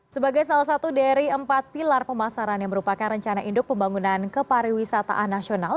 sebagai salah satu dari empat pilar pemasaran yang merupakan rencana induk pembangunan kepariwisataan nasional